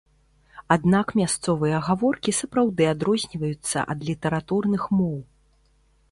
Аднак мясцовыя гаворкі сапраўды адрозніваюцца ад літаратурных моў.